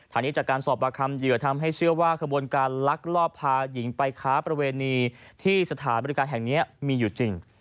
นี้จากการสอบประคำเหยื่อทำให้เชื่อว่าขบวนการลักลอบพาหญิงไปค้าประเวณีที่สถานบริการแห่งนี้มีอยู่จริง